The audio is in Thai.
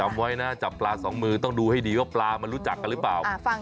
ไว้นะจับปลาสองมือต้องดูให้ดีว่าปลามันรู้จักกันหรือเปล่า